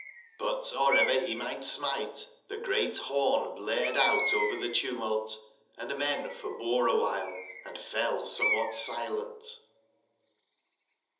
But or ever be migbt smite, tbe great born blared out over tbe tumult, and men for bore a wbilc and fell somewbat silent.